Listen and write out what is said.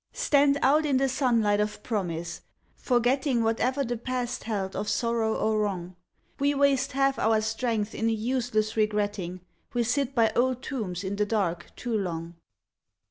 Stand out in the sunlight of Promise, forgetting Whatever the Past held of sorrow or wrong. We waste half our strength in a useless regretting; We sit by old tombs in the dark too long.